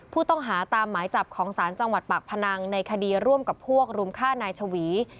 ผู้ต้องหาตามหมายจับของศาลจังหวัดปากพนังในคดีร่วมกับพวกรุมฆ่านายชวี